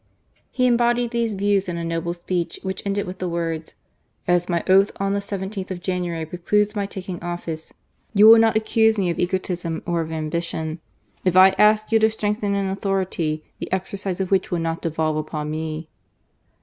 He embodied these views in a noble speech which ended with the words: "As my oath on the 17th of January precludes my taking office, you will not accuse me of egotism or of ambition, if I ask you to strengthen an authoritv, the exercise of which will not devolve upon me."